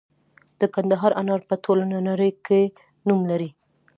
د کندهار انار په ټوله نړۍ کې نوم لري.